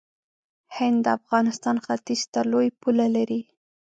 هند د افغانستان ختیځ ته لوی پوله لري.